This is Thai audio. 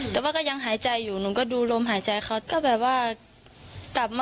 เป็นฝ่ายชายดำเหรอครับ